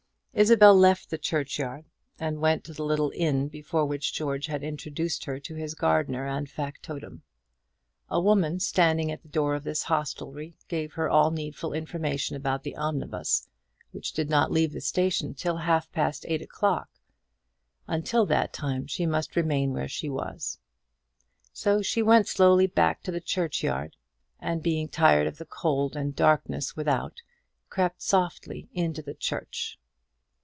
Isabel left the churchyard, and went to the little inn before which George had introduced her to his gardener and factotum. A woman standing at the door of this hostelry gave her all needful information about the omnibus, which did not leave the station till half past eight o'clock; until that time she must remain where she was. So she went slowly back to the churchyard, and being tired of the cold and darkness without, crept softly into the church.